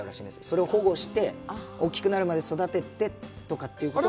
それを保護して大きくなるまで育ててということも。